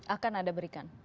akan ada berikan